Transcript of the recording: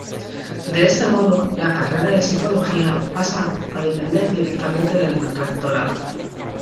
De este modo, la "Carrera de Psicología" pasa a depender directamente del Rectorado.